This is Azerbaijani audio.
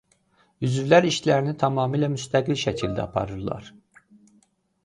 Üzvlər işlərini tamamilə müstəqil şəkildə aparırlar.